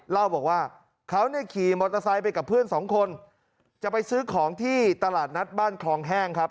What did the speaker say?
เล่าบอกว่าเขาเนี่ยขี่มอเตอร์ไซค์ไปกับเพื่อนสองคนจะไปซื้อของที่ตลาดนัดบ้านคลองแห้งครับ